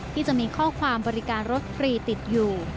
ที่จะมีข้อความบริการรถฟรีติดอยู่